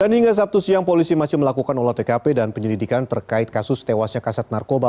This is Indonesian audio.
dan hingga sabtu siang polisi masih melakukan olah tkp dan penyelidikan terkait kasus tewasnya kasat narkoba